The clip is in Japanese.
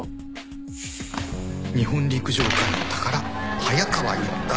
日本陸上界の宝速川一家